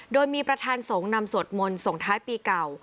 โดยมีประธานสงฆ์นำสวดมนต์ส่งท้ายปีเก่า